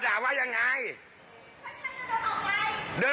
ด้วยความเคารพนะคุณผู้ชมในโลกโซเชียล